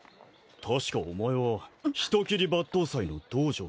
確かお前は人斬り抜刀斎の道場の。